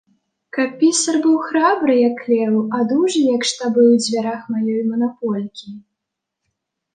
Каб пісар быў храбры, як леў, а дужы, як штабы ў дзвярах маёй манаполькі.